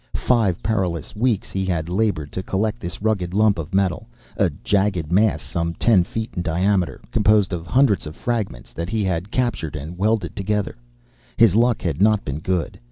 Five perilous weeks he had labored, to collect this rugged lump of metal a jagged mass, some ten feet in diameter, composed of hundreds of fragments, that he had captured and welded together. His luck had not been good.